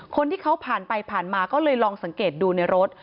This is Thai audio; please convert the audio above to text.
คนที่เขาผ่านไปผ่านมาก็เลยลองสังเกตดูในรถ